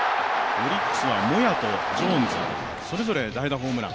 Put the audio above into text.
オリックスはモヤとジョーンズ、それぞれ代打ホームラン。